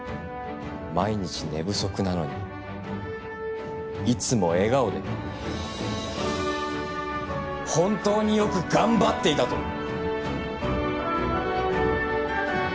毎日寝不足なのにいつも笑顔で本当によく頑張っていたと。